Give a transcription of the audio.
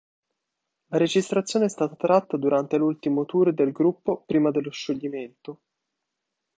La registrazione è stata tratta durante l'ultimo tour del gruppo prima dello scioglimento.